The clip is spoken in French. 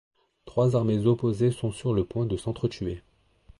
Trois armées opposées sont sur le point de s'entretuer.